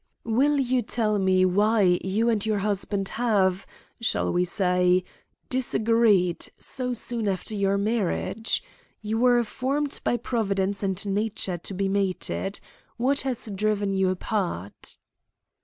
"Will you tell me why you and your husband have, shall we say, disagreed so soon after your marriage? You were formed by Providence and nature to be mated. What has driven you apart?"